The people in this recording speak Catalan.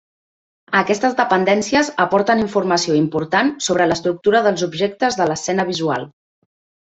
Aquestes dependències aporten informació important sobre l'estructura dels objectes de l'escena visual.